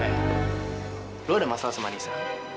eh lu ada masalah sama nisa